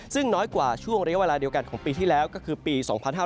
ซึ่งน้อยกว่าช่วงระยะเวลาเดียวกันของปีที่แล้วก็คือปี๒๕๕๙